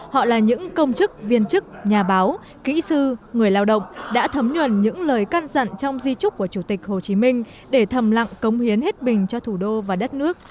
họ là những công chức viên chức nhà báo kỹ sư người lao động đã thấm nhuần những lời căn dặn trong di trúc của chủ tịch hồ chí minh để thầm lặng cống hiến hết bình cho thủ đô và đất nước